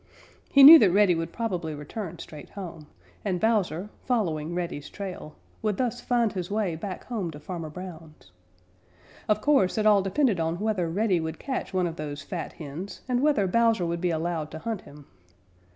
He knew that Reddy would probably return straight home, and Bowser, following Reddy's trail, would thus find his way back home to Farmer Brown's. Of course, it all depended on whether Reddy would catch one of those fat hens and whether Bowser would be allowed to hunt him.